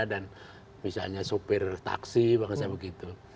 dan misalnya supir taksi bagaimana begitu